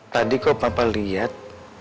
tadi kalau papa lihat